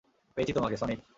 পেয়েছি তোমাকে, সনিক।